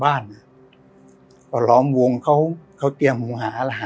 บ้านทำล้อมวงเขาเขาเตรียมหูหารหา